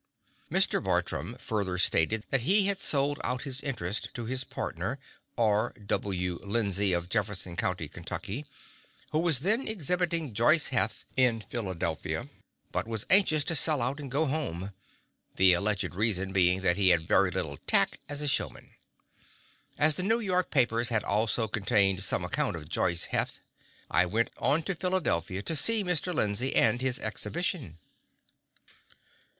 Mr. Bartram further stated that he had sold out his interest to his partner, R. W. Lindsay, of Jefferson County, Kentucky, who was then exhibiting Joice Heth in Philadelphia, but was anxious to sell out and go home the alleged reason being that he had very little tact as a showman. As the New York papers had also contained some account of Joice Heth, I went on to Philadelphia to see Mr. Lindsay and his exhibition.